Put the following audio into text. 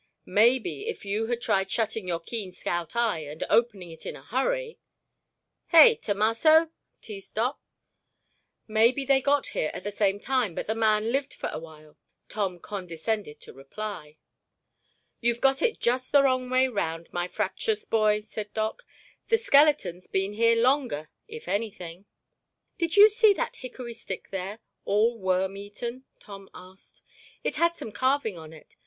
"Maybe if you had tried shutting your keen scout eye and opening it in a hurry—— Hey, Tomasso?" teased Doc. "Maybe they got here at the same time but the man lived for a while," Tom condescended to reply. "You've got it just the wrong way round, my fraptious boy," said Doc. "The skeleton's been here longer, if anything." "Did you see that hickory stick there—all worm eaten?" Tom asked. "It had some carving on it.